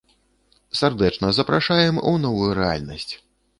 Сардэчна запрашаем у новую рэальнасць.